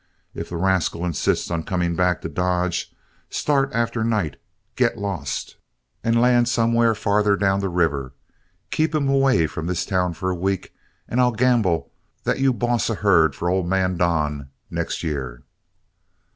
If the rascal insists on coming back to Dodge, start after night, get lost, and land somewhere farther down the river. Keep him away from this town for a week, and I'll gamble that you boss a herd for old man Don next year."